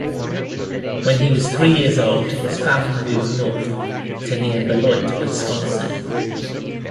When he was three years old his family moved north to near Beloit, Wisconsin.